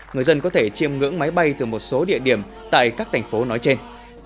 người dân có thể chiêm ngưỡng máy bay từ một số địa điểm tại các thành phố nói trên